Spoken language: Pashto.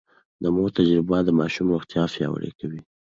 د مور تجربه د ماشوم روغتيا پياوړې کوي.